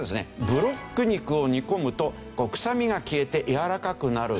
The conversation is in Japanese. ブロック肉を煮込むと臭みが消えてやわらかくなる。